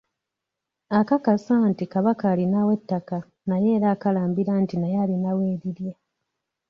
Akakasa nti Kabaka alinawo ettaka naye era akalambira nti naye alinawo erirye.